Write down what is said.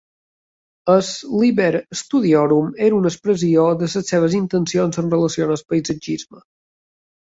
El "Liber Studiorum" era una expressió de les seves intencions en relació al paisatgisme.